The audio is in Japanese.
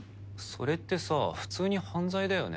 それってさ普通に犯罪だよね？